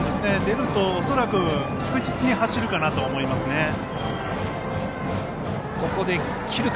出ると、恐らく確実に走るかなと思いますね。